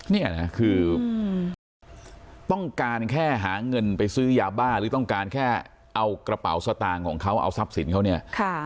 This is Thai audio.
เนี่ยนะคือต้องการแค่หาเงินไปซื้อยาบ้าหรือต้องการแค่เอากระเป๋าสตางค์ของเขาเอาทรัพย์สินเขาเนี่ย